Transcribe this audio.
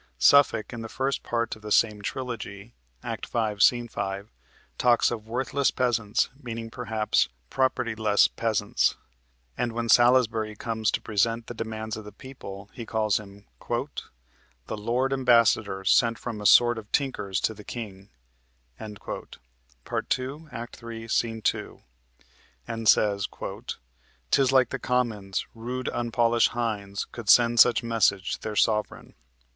Suffolk, in the First Part of the same trilogy (Act 5, Sc. 5), talks of "worthless peasants," meaning, perhaps, "property less peasants," and when Salisbury comes to present the demands of the people, he calls him "the Lord Ambassador Sent from a sort of tinkers to the king," (Part 2, Act 3, Sc. 2.) and says: "'Tis like the Commons, rude unpolished hinds Could send such message to their sovereign."